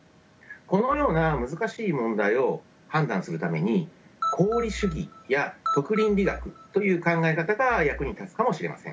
このような難しい問題を判断するために功利主義や徳倫理学という考え方が役に立つかもしれません。